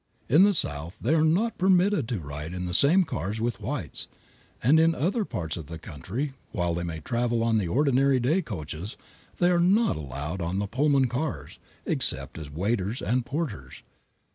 In the South they are not permitted to ride in the same cars with whites, and in other parts of the country, while they may travel on the ordinary day coaches, they are not allowed on the Pullman cars, except as waiters and porters.